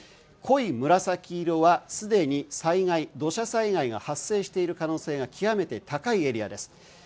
濃い紫色は既に災害土砂災害が発生している可能性が極めて高いエリアです。